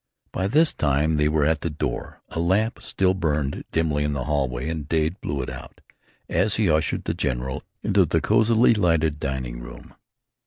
By this time they were at the door. A lamp still burned dimly in the hallway, and Dade blew it out, as he ushered the general into the cosily lighted dining room.